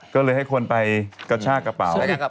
ก็เลยให้คนไปกระชากกระเป๋า